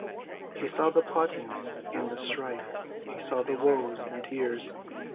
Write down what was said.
He saw the plottings, and the strife, he saw the woes, and tears!